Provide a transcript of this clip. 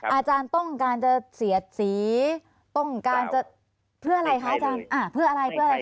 อาจารย์ต้องการจะเสียสีต้องการจะเพื่ออะไรคะอาจารย์